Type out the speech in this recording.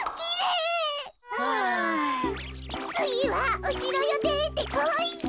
つぎはおしろよでてこい。